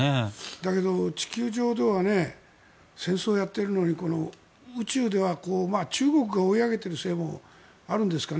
だけど地球上では戦争をやっているのに宇宙では中国が追い上げているせいもあるんですかね。